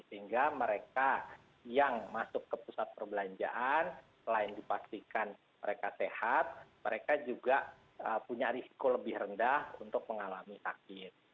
sehingga mereka yang masuk ke pusat perbelanjaan selain dipastikan mereka sehat mereka juga punya risiko lebih rendah untuk mengalami sakit